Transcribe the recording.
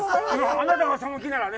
あなたがその気ならね。